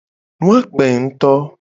Nu a kpe nguto.